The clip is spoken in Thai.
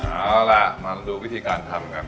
เอาล่ะมาดูวิธีการทำกัน